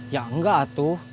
ya enggak tuh